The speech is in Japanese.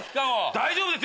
大丈夫です